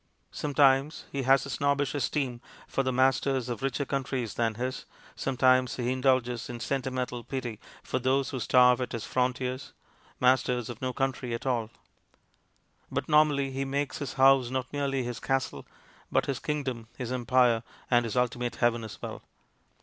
Sometimes he has a snobbish esteem for the masters of richer countries than his, sometimes he indulges in senti mental pity for those who starve at his frontiers masters of no country at all. But 192 MONOLOGUES normally he makes his house not merely his castle, but his kingdom, his empire, and his ultimate heaven as well.